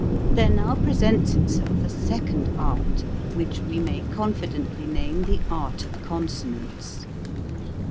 There now presents itself a second art which we may confidently name the art of consonants.